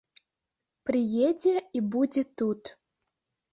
Прыедзе і будзе тут.